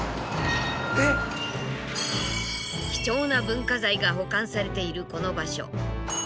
貴重な文化財が保管されているこの場所。